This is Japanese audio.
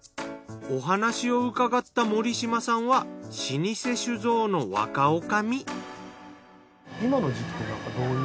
お話を伺った森嶋さんは老舗酒造の若女将。